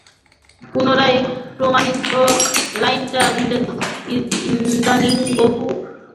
পুরাণের প্রামাণিকত্ব লইয়া ইদানীং বহু বাদানুবাদ হইয়া গিয়াছে।